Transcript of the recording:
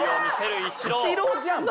イチローじゃんもう。